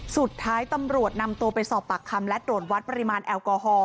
สุดท้ายตำรวจนำตัวไปสอบปากคำและตรวจวัดปริมาณแอลกอฮอล